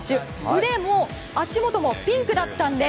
腕も足元もピンクだったんです。